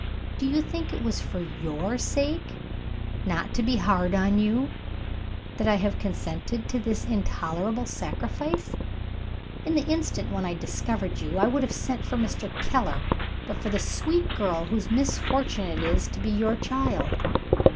Do you think it was for your sake not to be hard on You that I have consented to this intolerable sacrifice? In the instant when I discovered you I would have sent for Mr. Keller, but for the sweet girl whose misfortune it is to be your child.